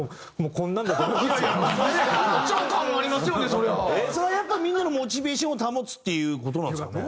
それはやっぱみんなのモチベーションを保つっていう事なんですかね？